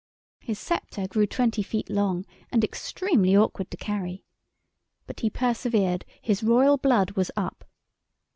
His sceptre grew twenty feet long and extremely awkward to carry. But he persevered, his royal blood was up.